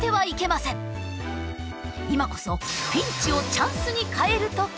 今こそピンチをチャンスに変える時！